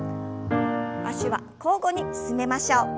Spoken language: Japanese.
脚は交互に進めましょう。